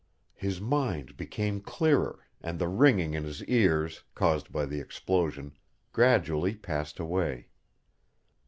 His mind became clearer and the ringing in his ears, caused by the explosion, gradually passed away.